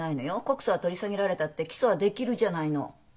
告訴は取り下げられたって起訴はできるじゃないの。